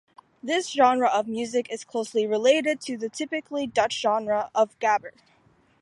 This genre of music is closely related to the typically Dutch genre of gabber.